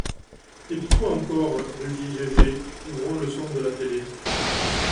Et pis quoi, encore ? rugit Gégé, couvrant le son de la télé